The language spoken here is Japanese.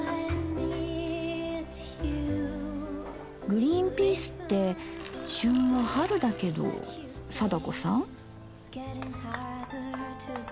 グリーンピースって旬は春だけど貞子さん？